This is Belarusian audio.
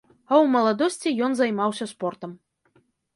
А ў маладосці ён займаўся спортам.